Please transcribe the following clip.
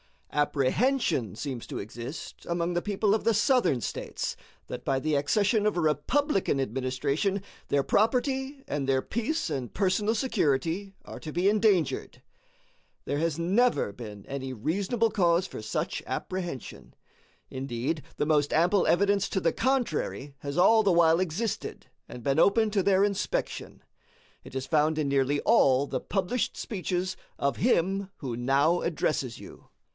Apprehension seems to exist among the people of the Southern States that by the accession of a Republican administration their property and their peace and personal security are to be endangered. There has never been any reasonable cause for such apprehension. Indeed, the most ample evidence to the contrary has all the while existed and been open to their inspection. It is found in nearly all the published speeches of him who now addresses you.